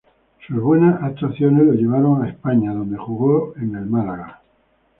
Sus buenas actuaciones lo llevaron a España, donde jugó en Málaga.